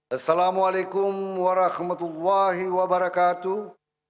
assalamualaikum warahmatullahi wabarakatuh